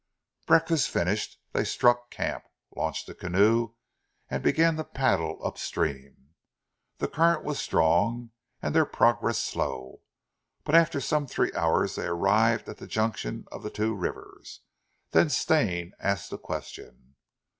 Breakfast finished, they struck camp, launched the canoe and began to paddle upstream. The current was strong, and their progress slow, but after some three hours they arrived at the junction of the two rivers. Then Stane asked a question.